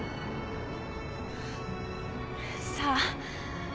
さあ。